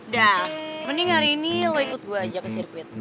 dah mending hari ini lo ikut gue aja ke sirkuit